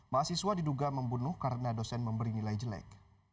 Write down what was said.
mahasiswa diduga membunuh karena dosen memberi nilai jelek